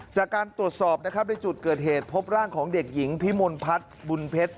จากการตรวจสอบนะครับในจุดเกิดเหตุพบร่างของเด็กหญิงพิมลพัฒน์บุญเพชร